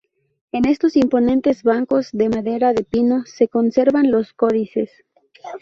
En estos imponentes bancos de madera de pino se conservan los códices.